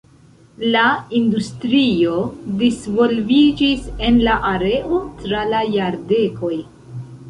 La industrio disvolviĝis en la areo tra la jardekoj.